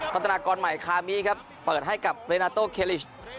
พัฒนากรใหม่คามีครับเปิดให้กับเรนาโต้เคลิช